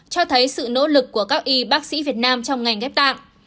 cho thấy sự nỗ lực của các y bác sĩ việt nam trong ngành ghép tạng